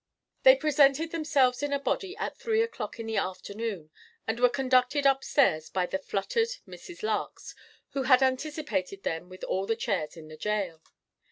They presented themselves in a body at three o'clock in the afternoon and were conducted upstairs by the fluttered Mrs. Larks, who had anticipated them with all the chairs in the jail.